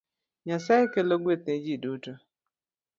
Nyasaye kelo gweth ne ji duto